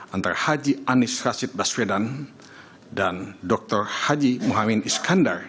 antara haji anies rashid baswedan dan dr haji muhammad iskandar